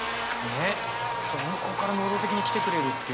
向こうから能動的に来てくれるっていう。